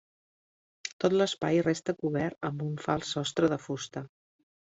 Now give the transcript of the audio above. Tot l'espai resta cobert amb un fals sostre de fusta.